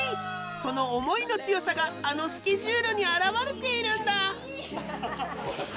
その思いの強さがあのスケジュールに表れているんだ。